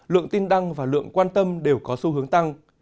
lượng tin đăng và lượng quan tâm đều có xu hướng tăng